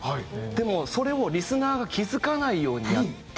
でもそれをリスナーが気付かないようにやってるんで。